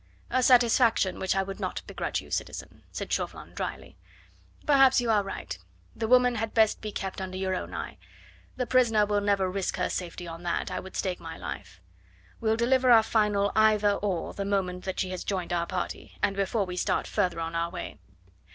"A satisfaction which I would not begrudge you, citizen," said Chauvelin dryly. "Perhaps you are right... the woman had best be kept under your own eye... the prisoner will never risk her safety on that, I would stake my life. We'll deliver our final 'either or' the moment that she has joined our party, and before we start further on our way.